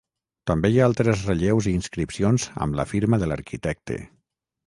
També hi ha alts relleus i inscripcions amb la firma de l'arquitecte.